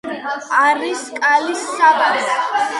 არის კალის საბადო.